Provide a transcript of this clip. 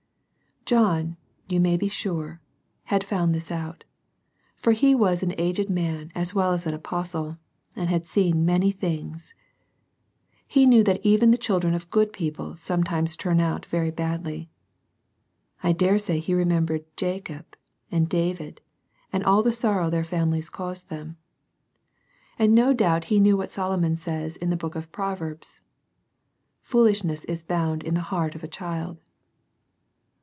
John, you may be sure, had found this out, for he was an aged man as well as an Apostle, and had seen many things. He knew that even the children of good people sometimes turn out very badly. I dare say he remembered Jacob and David, and all the sorrow their families caused them. And no doubt he knew CHILDREN WALKING IN TRUTH. 35 what Solomon says in the book of Proverbs :" Foolishness is bound in the heart of a child."